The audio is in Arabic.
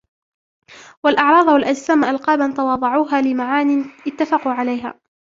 وَالْأَعْرَاضَ وَالْأَجْسَامَ أَلْقَابًا تَوَاضَعُوهَا لِمَعَانٍ اتَّفَقُوا عَلَيْهَا